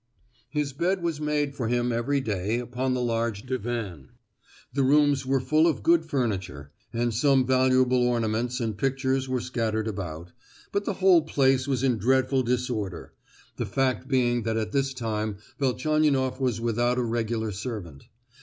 His bed was made for him, every day, upon the large divan. The rooms were full of good furniture, and some valuable ornaments and pictures were scattered about, but the whole place was in dreadful disorder; the fact being that at this time Velchaninoff was without a regular servant.